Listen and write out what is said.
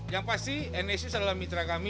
yang pasti nsis adalah mitra kami